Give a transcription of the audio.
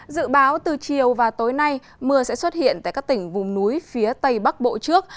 dự báo từ chiều và tối nay mưa sẽ xuất hiện tại các tỉnh vùng núi phía tây bắc bộ trước